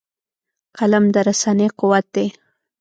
قلم د رسنۍ قوت دی